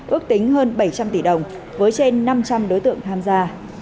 ước tính hơn bảy trăm linh tỷ đồng với trên năm trăm linh đối tượng tham gia